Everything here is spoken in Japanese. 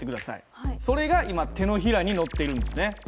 それが今手のひらに載っているんですね。